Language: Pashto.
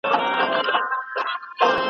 ¬پر نور څه انا نه سوم، پر خوشيو انا سوم.